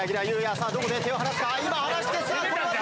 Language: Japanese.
さぁどこで手を離すか？